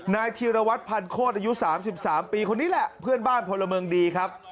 นายธีรวัตรพันโคตรอายุ๓๓ปีคนนี้แหละเพื่อนบ้านพลเมืองดีครับ